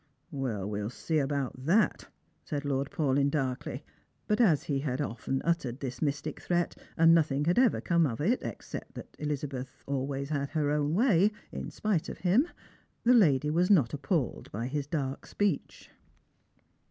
" We'll see about that," said Lord Paulyn darlcly. But as he had often uttered this mystic threat, and nothing had ever come of it, except that Elizabeth had always had her own way, in spite of him, the lady was not appalled by his dark speech.